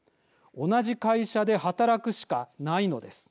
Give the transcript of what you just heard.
同じ会社で働くしかないのです。